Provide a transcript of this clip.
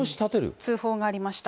通報がありました。